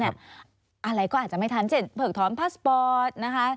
อะไรก็อาจจะไม่ทันเช่นเผือกถอนพาสปอร์ตนะคะ